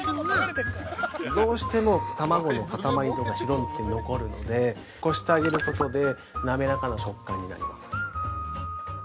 ◆どうしても、卵のかたまりとか白身とか残るので、こしてあげることで、滑らかな食感になります。